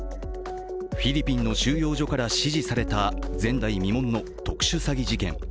フィリピンの収容所から指示された前代未聞の特殊詐欺事件。